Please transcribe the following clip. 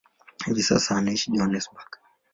Hivi sasa anaishi Johannesburg.